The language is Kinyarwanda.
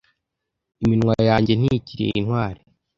iminwa yanjye ntikiri intwari